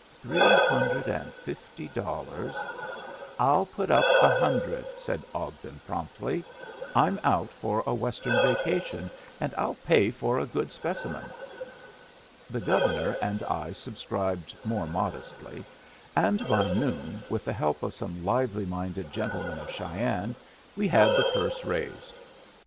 Three hundred and fifty dollars " "I'll put up a hundred," said Ogden, promptly. "I'm out for a Western vacation, and I'll pay for a good specimen." The Governor and I subscribed more modestly, and by noon, with the help of some lively minded gentlemen of Cheyenne, we had the purse raised.